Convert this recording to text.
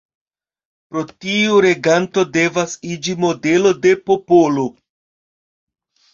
Por tio reganto devas iĝi modelo de popolo.